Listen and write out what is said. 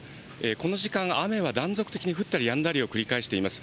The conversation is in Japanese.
この時間、雨は断続的に降ったりやんだりを繰り返しています。